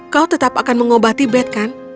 kau tetap akan mengobati bed kan